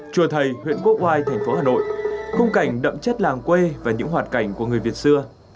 chùa thầy huyện quốc oai thành phố hà nội khung cảnh đậm chất làng quê và những hoạt cảnh của người việt xưa